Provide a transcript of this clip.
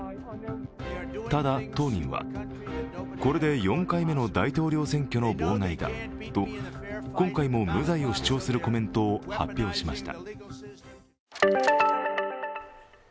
ただ、当人はこれで４回目の大統領選挙の妨害だと、今回も無罪を主張するコメントを発表しました。